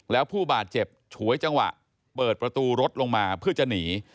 แล้วผู้บาดเจ็บฉวยจังหวะเปิดประตูรถลงมาเพื่อจะหนี